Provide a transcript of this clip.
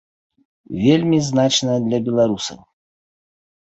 Вельмі значная для беларусаў.